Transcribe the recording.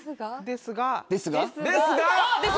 ですが！